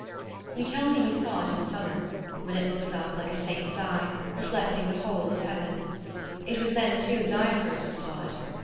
You tell me you saw it in summer, when it looks up like a saint's eye, reflecting the whole of heaven. It was then too that I first saw it.